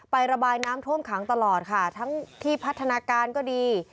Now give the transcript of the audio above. ระบายน้ำท่วมขังตลอดค่ะทั้งที่พัฒนาการก็ดี